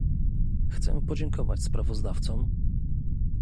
Chcę podziękować sprawozdawcom